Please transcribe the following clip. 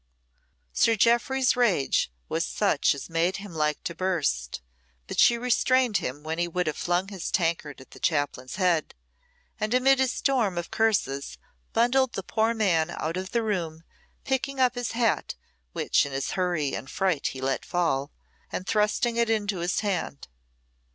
Sir Jeoffry's rage was such as made him like to burst; but she restrained him when he would have flung his tankard at the chaplain's head, and amid his storm of curses bundled the poor man out of the room, picking up his hat which in his hurry and fright he let fall, and thrusting it into his hand.